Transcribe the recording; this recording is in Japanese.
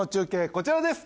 こちらです